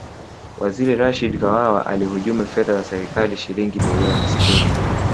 waziri rashid kawawa alihujumu fedha za serikali shilingi milioni sitini